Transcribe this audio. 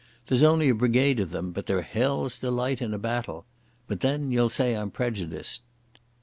There's only a brigade of them, but they're hell's delight in a battle. But then you'll say I'm prejudiced."